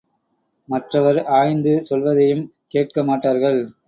மற்றவர் ஆய்ந்து சொல்வதையும் கேட்க மாட்டார்கள்.